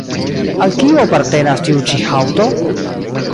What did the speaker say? Al kiu apartenas tiu ĉi haŭto?